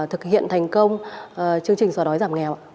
và thực hiện thành công chương trình xóa đói giảm nghèo ạ